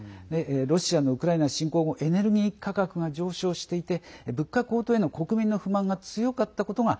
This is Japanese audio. ロシアのウクライナ侵攻後エネルギー価格が上昇していて物価高騰への国民の不満が強かったことが